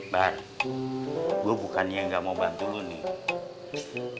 bar gue bukannya nggak mau bantu lo nih